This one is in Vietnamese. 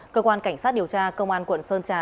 cơ quan cảnh sát điều tra công an quận sơn trà